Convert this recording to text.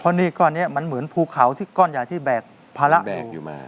อันนี้มันเหมือนภูเขาก้อนยาที่แบกภาระอยู่